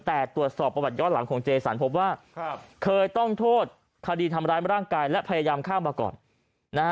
แต่ตรวจสอบประวัติย้อนหลังของเจสันพบว่าเคยต้องโทษคดีทำร้ายร่างกายและพยายามฆ่ามาก่อนนะฮะ